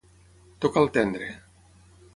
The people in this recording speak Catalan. Tocar el tendre.